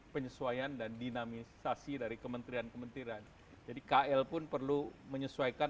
penyesuaian dan dinamisasi dari kementerian kementerian jadi kl pun perlu menyesuaikan